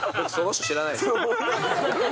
その人知らないから。